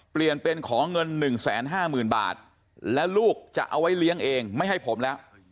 เปลี่ยนเป็นของเงินหนึ่งแสนห้าหมื่นบาทแล้วลูกจะเอาไว้เลี้ยงเองไม่ให้ผมแล้ว